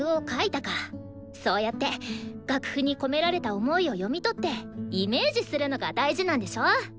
そうやって楽譜に込められた想いを読み取ってイメージするのが大事なんでしょ？